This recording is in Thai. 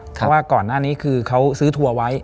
เพราะว่าก่อนหน้านี้คือเขาซื้อทัวร์ไว้